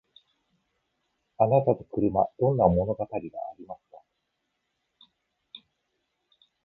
あなたと車どんな物語がありますか？